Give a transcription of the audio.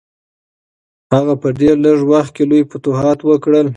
هغه په ډېر لږ وخت کې لوی فتوحات وکړل.